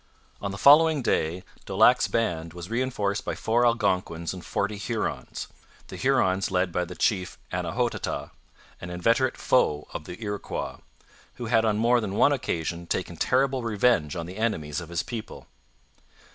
On the following day Daulac's band was reinforced by four Algonquins and forty Hurons, the Hurons led by the chief Annahotaha, an inveterate foe of the Iroquois, who had on more than one occasion taken terrible revenge on the enemies of his people.